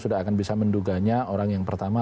sudah akan bisa menduganya orang yang pertama